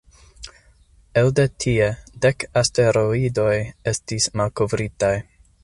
Elde tie, dek asteroidoj estis malkovritaj.